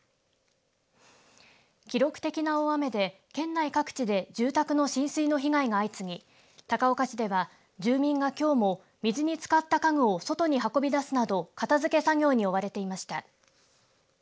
記録的な大雨で県内各地で住宅の浸水の被害が相次ぎ高岡市では住民がきょうも水につかった家具を外に運び出すなど片づけ作業に追われていました。